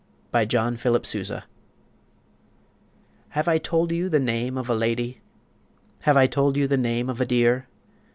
BY JOHN PHILIP SOUSA "Have I told you the name of a lady? Have I told you the name of a dear?